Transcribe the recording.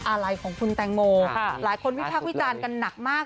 อะไรของคุณแตงโมหลายคนวิพากษ์วิจารณ์กันหนักมาก